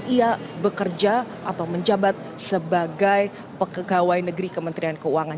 ia bekerja atau menjabat sebagai pegawai negeri kementerian keuangan